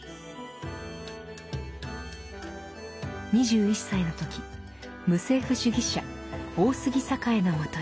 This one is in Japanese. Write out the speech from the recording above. ２１歳の時無政府主義者大杉栄の元へ。